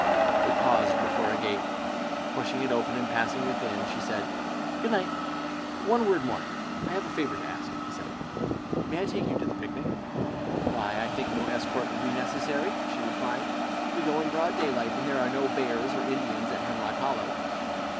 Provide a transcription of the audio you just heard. They paused before a gate. Pushing it open and passing within, she said, "Good night." "One word more. I have a favour to ask," he said. "May I take you to the picnic?" "Why, I think no escort will be necessary," she replied; "we go in broad daylight; and there are no bears or Indians at Hemlock Hollow."